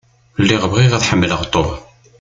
Lliɣ bɣiɣ ad ḥemmleɣ Tom.